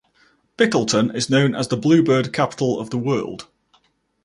Bickleton is known as the bluebird capital of the world.